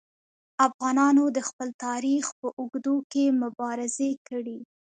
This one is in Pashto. افغانانو د خپل تاریخ په اوږدو کې مبارزې کړي.